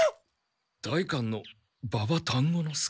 代官の馬場丹後之介。